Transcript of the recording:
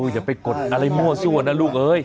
อย่าไปกดอะไรมั่วซั่วนะลูกเอ้ย